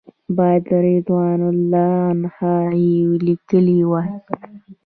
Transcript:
باید رضی الله عنهما یې لیکلي وای.